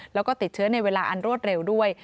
แล้วก็ติดเชื้อในเวลาอันรวดเร็วด้วย